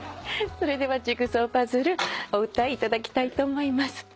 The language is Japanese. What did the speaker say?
それでは『ジグソーパズル』お歌いいただきたいと思います。